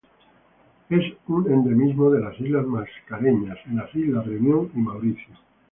Es un endemismo de las Islas Mascareñas, en las islas Reunión y Mauricio.